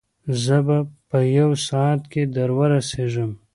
زه به په یو ساعت کې در ورسېږم.